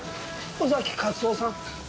尾崎克夫さん？